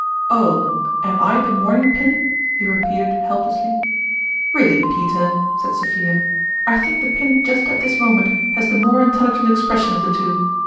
" Oh ! am I the mourning pin ?" he re peated, helplessly. " Really, Peter," said Sophia, " I think the pin just at this moment, has the more intelli gent expression of the two.